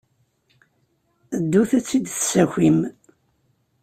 Ddut ad tt-id-tessakim.